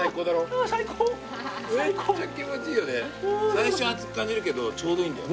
最初熱く感じるけどちょうどいいんだよ。